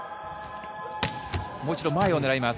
もう一度、前を狙います。